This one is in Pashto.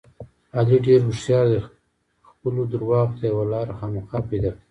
علي ډېر هوښیار دی خپلو درغو ته یوه لاره خامخا پیدا کوي.